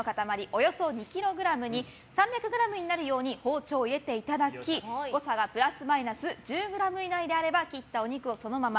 およそ２ｋｇに３００ｇになるように包丁を入れていただき誤差がプラスマイナス１０ｇ以内であれば切ったお肉をそのまま。